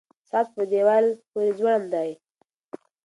ساعت په دیوال پورې ځوړند دی.